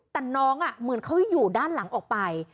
แต่น้องเหมือนเขาอยู่ด้านหลังออกไป